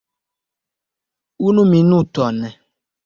Unu minuton.